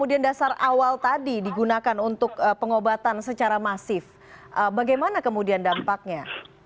kemudian dasar awal tadi digunakan untuk pengobatan secara masif bagaimana kemudian dampaknya